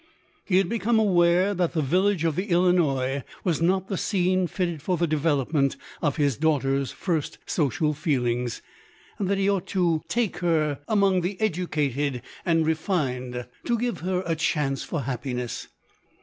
He had become aware that the village of the Illinois was not the scene iitted for the developement of his daughter's firsl social feelings, and that he ought to take her 210 LODORE. among the educated and refined, to give her a chance for happiness.